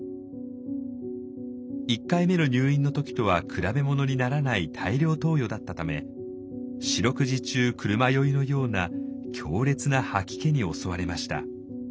１回目の入院の時とは比べものにならない大量投与だったため四六時中車酔いのような強烈な吐き気に襲われました。